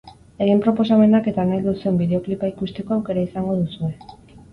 Egin proposamenak eta nahi duzuen bideoklipa ikusteko aukera izango duzue!